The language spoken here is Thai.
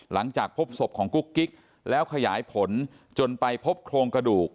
หลังจากพบศพของกุ๊กกิ๊กแล้วขยายผลจนไปพบโครงกระดูก